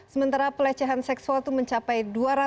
sementara pelecehan seksual itu mencapai dua ratus enam puluh delapan